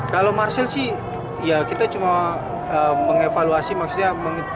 kalau marcel sih ya kita cuma mengevaluasi maksudnya